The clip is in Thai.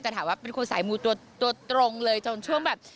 แต่ถามว่าเป็นคนสายมูตัวตรงเลยจนช่วงแบบ